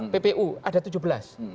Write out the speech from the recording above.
ppu ada tujuh belas